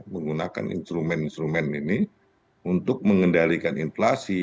menggunakan instrumen instrumen ini untuk mengendalikan inflasi